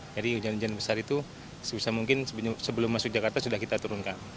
jadi hujan hujan besar itu sebesar mungkin sebelum masuk jakarta sudah kita turunkan